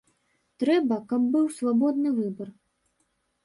Трэба, каб быў свабодны выбар.